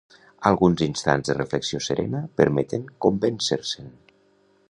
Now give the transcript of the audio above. Alguns instants de reflexió serena permeten convéncer-se'n.